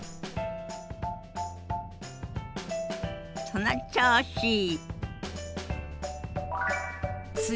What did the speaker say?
その調子！